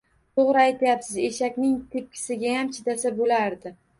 – To‘g‘ri aytyapsiz, eshakning tepkisigayam chidasa bo‘lardi